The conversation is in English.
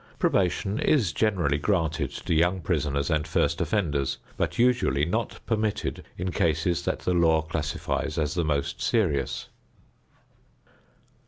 Probation is generally granted to young prisoners and first offenders but usually not permitted in cases that the law classifies as the most serious.